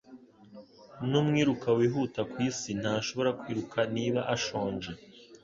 N'umwiruka wihuta kwisi ntashobora kwiruka niba ashonje.